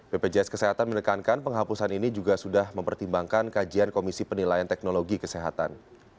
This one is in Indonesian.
bpjs kesehatan menekankan penghapusan ini juga sudah mempertimbangkan kajian komisi penilaian teknologi kesehatan